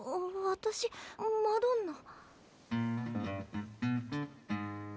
私マドンナ。